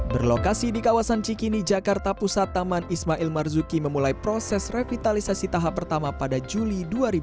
berlokasi di kawasan cikini jakarta pusat taman ismail marzuki memulai proses revitalisasi tahap pertama pada juli dua ribu dua puluh